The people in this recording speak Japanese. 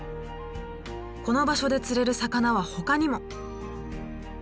この場所で釣れる魚はほかにも。